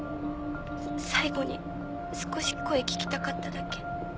最後に少し声聞きたかっただけ。